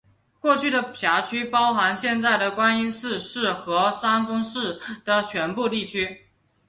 过去的辖区包含现在的观音寺市和三丰市的全部地区。